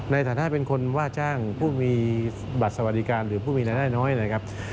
ในฐานะเป็นคนว่าจ้างผู้มีบัตรสวัสดิการหรือผู้มีรายได้น้อยนะครับ